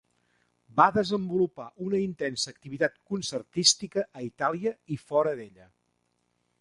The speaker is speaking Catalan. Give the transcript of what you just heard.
Va desenvolupar una intensa activitat concertística a Itàlia i fora d'ella.